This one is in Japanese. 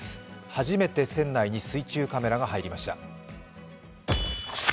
初めて船内に水中カメラが入りました。